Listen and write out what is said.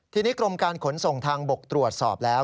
ทีนี้กรมการขนส่งทางบกตรวจสอบแล้ว